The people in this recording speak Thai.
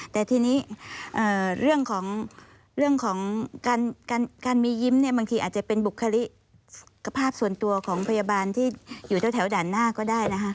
แต่ทีนี้เรื่องของการมียิ้มเนี่ยบางทีอาจจะเป็นบุคลิกภาพส่วนตัวของพยาบาลที่อยู่แถวด่านหน้าก็ได้นะคะ